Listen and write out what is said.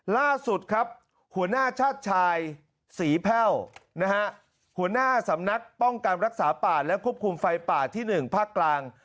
ล่าสุดครับหัวหน้าชาติชายศรีแพ่วนะฮะหัวหน้าสำนักป้องกันรักษาป่าและควบคุมไฟป่าที่๑ภาคกลาง